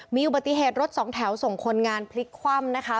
มีอุบัติเหตุรถสองแถวส่งคนงานพลิกคว่ำนะคะ